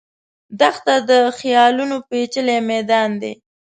دښته د خیالونو پېچلی میدان دی.